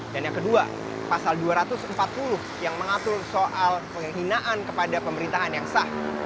dan yang kedua pasal dua ratus empat puluh yang mengatur soal penghinaan kepada pemerintahan yang sah